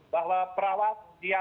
bahwa perawat dia